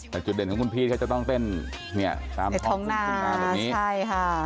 แต่จุดเด่นของคุณพีชก็จะต้องเป็นเนี่ยตามท้องคุณคุณอาแบบนี้